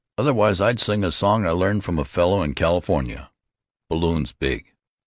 Otherwise I'd sing a song I learned from a fellow in California—balloon s' big."